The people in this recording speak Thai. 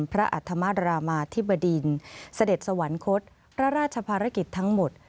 อัธมารามาธิบดินเสด็จสวรรคตพระราชภารกิจทั้งหมด